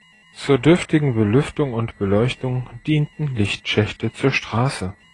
Zur dürftigen Belüftung und Beleuchtung dienten Lichtschächte zur Straße.